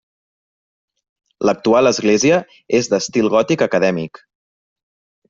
L'actual església és d'estil gòtic acadèmic.